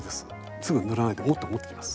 すぐ塗らないでもっと持ってきます。